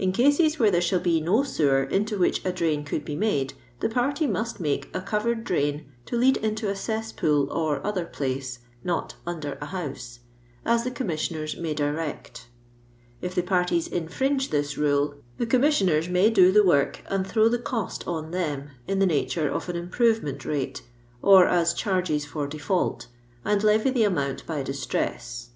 "In cases where there shall be no sewer into which a drain could be made, the party must make a covered drain to lead into a cesspool or other place (not under a house) as the Commissioners may direct If the parties infringe this rule, the Commissioners may \ 396 LONDOX LABOUR AND THE LOSDOX POOR. do the work and throw the cost on them in the nature of an improvement rate, or as charges for defiiult, and Ie\7 the amount by diBtress."